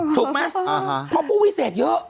ถูกไหมเพราะผู้วิเศษเยอะ